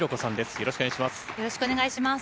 よろしくお願いします。